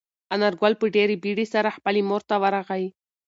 انارګل په ډېرې بیړې سره خپلې مور ته ورغی.